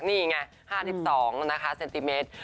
นี่ไง๕๒นะคะเซนติเมตร